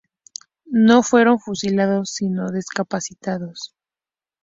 No fueron fusilados, sino decapitados.